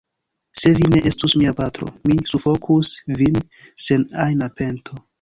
Se vi ne estus mia patro, mi sufokus vin sen ajna pento.